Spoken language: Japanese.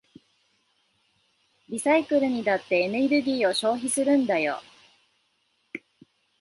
リサイクルにだってエネルギーを消費するんだよ。